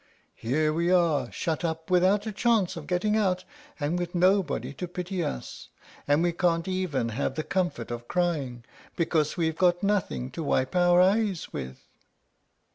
Here we are, shut up, without a chance of getting out, and with nobody to pity us; and we can't even have the comfort of crying, because we've got nothing to wipe our eyes with."